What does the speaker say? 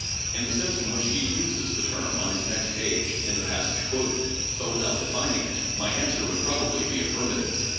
In the sense in which he uses the term on his next page (in the passages quoted) but without defining it, my answer would probably be affirmative.